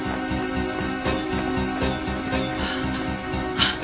あっ！